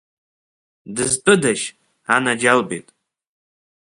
Дызтәыдашь, анаџьалбеит?